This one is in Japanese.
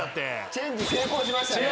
チェンジ成功しましたね。